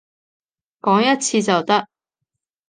講一次就得